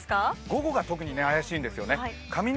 午後が特に怪しいんですよね。